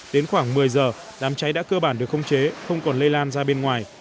đến khoảng một mươi giờ đám cháy đã cơ bản được không chế không còn lây lan ra bên ngoài